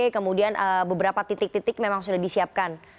kemudian beberapa titik titik memang sudah disiapkan